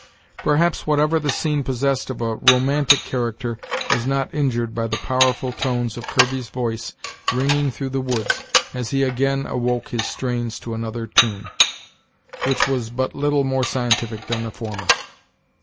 Perhaps whatever the scene possessed of a romantic character was not injured by the powerful tones of Kirby's voice ringing through the woods as he again awoke his strains to another tune, which was but little more scientific than the former.